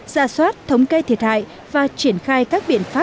ra soát thống kê thiệt hại và triển khai các biện pháp